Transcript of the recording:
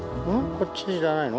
こっちじゃないの？